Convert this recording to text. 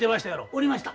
おりました。